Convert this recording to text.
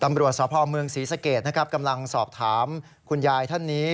ตำรวจสพเมืองศรีสเกตนะครับกำลังสอบถามคุณยายท่านนี้